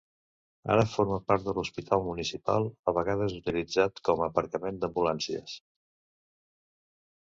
Ara forma part de l'hospital municipal, a vegades utilitzat com aparcament d'ambulàncies.